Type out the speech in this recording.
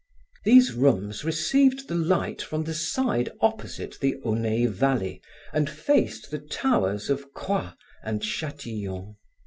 These rooms received the light from the side opposite the Aunay Valley and faced the Towers of Croy and Chatillon.